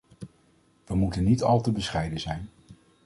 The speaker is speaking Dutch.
We moeten niet al te bescheiden zijn.